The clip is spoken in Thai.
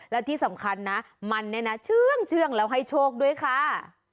และที่สำคัญนะมันเนี่ยนะเชื่องแล้วให้โชคด้วยค่ะ